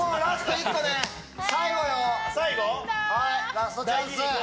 ラストチャンス。